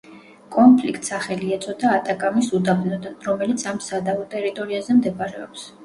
კონფლიქტს სახელი ეწოდა ატაკამის უდაბნოდან, რომელიც ამ სადავო ტერიტორიაზე მდებარეობს.